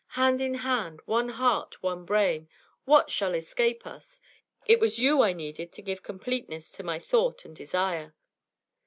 Hand in hand, one heart, one brain what shall escape us? It was you I needed to give completeness to my thought and desire.'